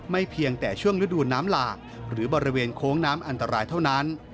เพียงแต่ช่วงฤดูน้ำหลากหรือบริเวณโค้งน้ำอันตรายเท่านั้น